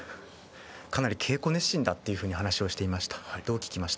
かなり稽古熱心だという話をしていました。